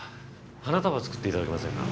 花束作っていただけませんか？